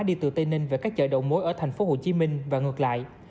đi từ tây ninh về các chợ đậu mối ở tp hcm và ngược lại